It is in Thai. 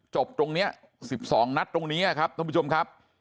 จบตรงเนี่ยสิบสองนัดตรงนี้นะครับทุ่มผู้ชมครับ